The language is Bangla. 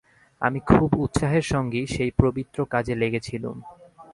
আমি খুব উৎসাহের সঙ্গেই সেই পবিত্র কাজে লেগেছিলুম।